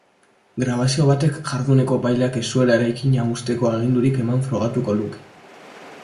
Grabazio batek jarduneko epaileak ez zuela eraikina husteko agindurik eman frogatuko luke.